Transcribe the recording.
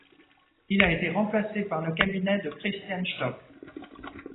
Il a été remplacé par le cabinet de Christian Stock.